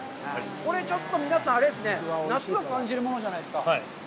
これ、ちょっと皆さん、あれですね、夏を感じるものじゃないですか。